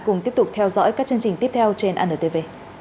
cùng tiếp tục theo dõi các chương trình tiếp theo trên antv